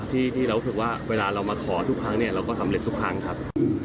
ที่เรารู้สึกว่าเวลาเรามาขอทุกครั้งเนี่ยเราก็สำเร็จทุกครั้งครับ